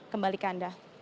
kembali ke anda